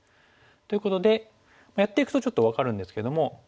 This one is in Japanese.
ということでまあやっていくとちょっと分かるんですけども。